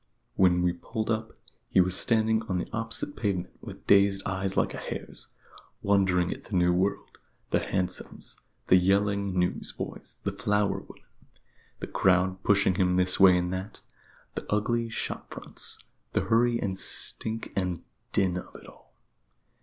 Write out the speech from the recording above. When we pulled up, he was standing on the opposite pavement with dazed eyes like a hare's, wondering at the new world the hansoms, the yelling news boys, the flower women, the crowd pushing him this way and that, the ugly shop fronts, the hurry and stink and din of it all.